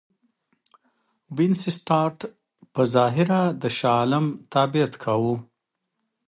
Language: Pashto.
وینسیټارټ په ظاهره د شاه عالم تابعیت کاوه.